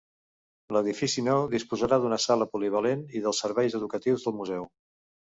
L'edifici nou disposarà d'una sala polivalent i dels serveis educatius del museu.